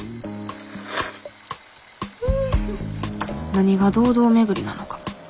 何が堂々巡りなのか。